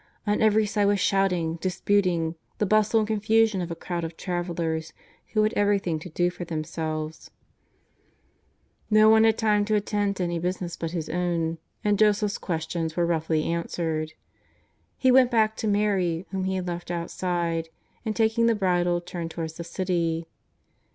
On every side was shouting, disputing, the bustle and confusion of a crowd of travellers who had everything to do for themselves. 64 JESUS OF NAZAEETH. ^o one had time to attend to any business but bis own, and Joseph's questions were roughly answered. He went back to Mary, whom he had left outside, and taking the bridle turned towards the city.